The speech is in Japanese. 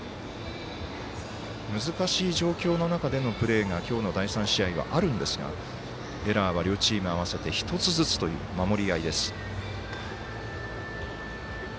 難しい状況の中でのプレーが今日の第３試合はあるんですがエラーは両チーム合わせて１つずつという守りあい。